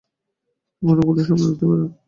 তুমি অনেক বড় স্বপ্ন দেখতে পারো।